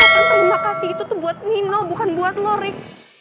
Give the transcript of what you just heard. terima kasih itu tuh buat nino bukan buat lo rik